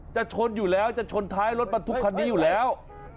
ชนอยู่แล้วจะชนท้ายรถบรรทุกคันนี้อยู่แล้ว